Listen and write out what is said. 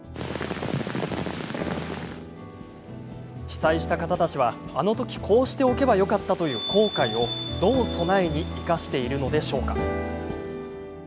被災した方たちはあのときこうしておけばよかったという後悔を、どう備えに生かしているのでしょうか。